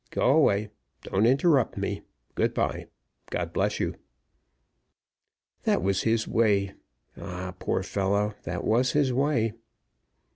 go away don't interrupt me good by God bless you!" That was his way ah! poor fellow, that was his way.